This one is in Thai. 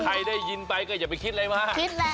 ได้ยินไปก็อย่าไปคิดอะไรมาก